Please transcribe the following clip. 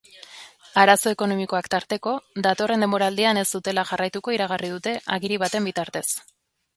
Arazo ekonomikoak tarteko datorren denboraldian ez dutela jarraituko iragarri dute agiri baten bitartez.